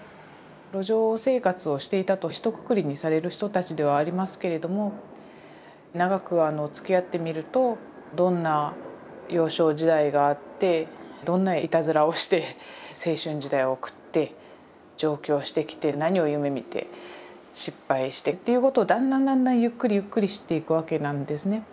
路上生活をしていたとひとくくりにされる人たちではありますけれども長くつきあってみるとどんな幼少時代があってどんないたずらをして青春時代を送って上京してきて何を夢みて失敗してっていうことをだんだんだんだんゆっくりゆっくり知っていくわけなんですね。